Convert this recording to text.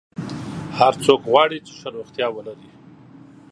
هر څوک غواړي چې ښه روغتیا ولري.